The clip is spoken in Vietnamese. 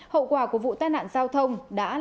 hậu quả của vụ tai nạn giao thông